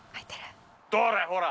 どれほら。